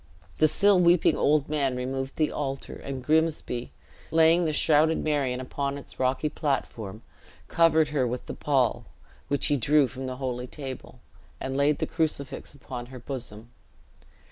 The still weeping old man removed the altar; and Grimsby, laying the shrouded Marion upon its rocky platform, covered her with the pall, which he drew from the holy table, and laid the crucifix upon her bosom.